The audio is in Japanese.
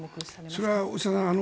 それは大下さん